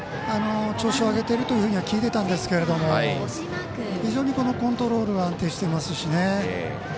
調子を上げてるというふうには聞いてたんですが非常にコントロール安定していますしね。